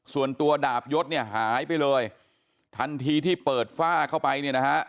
ดาบยศเนี่ยหายไปเลยทันทีที่เปิดฝ้าเข้าไปเนี่ยนะฮะ